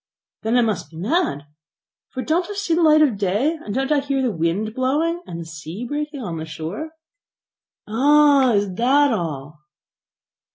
"Then I must be mad; for don't I see the light of day, and don't I hear the wind blowing, and the sea breaking on the shore?" "Ah! is that all?"